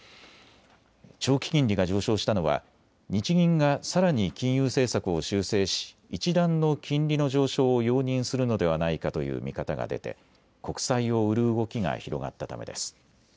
長期金利が上昇したのは日銀がさらに金融政策を修正し一段の金利の上昇を容認するのではないかという見方が出て国債を売る動きが広がったためです。